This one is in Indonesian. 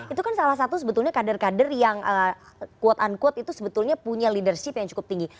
itu kan salah satu sebetulnya kader kader yang quote unquote itu sebetulnya punya leadership yang cukup tinggi